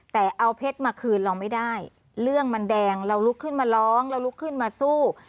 แต่เอาเพชรมาคืนเราไม่ได้เรื่องมันแดงเราลุกขึ้นมาร้องเราลุกขึ้นมาสู้